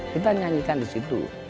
kita nyanyikan di situ